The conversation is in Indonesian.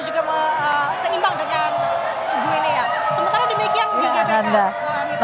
sementara demikian di gbk